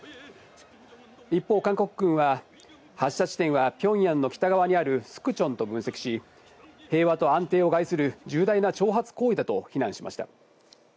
一方、韓国軍は、発射地点はピョンヤンの北側にあるスクチョンと分析し、平和と安定を害する重大な挑発行為だと非難しました。